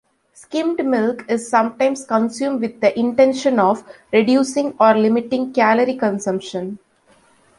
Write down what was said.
Skimmed milk is sometimes consumed with the intention of reducing or limiting calorie consumption.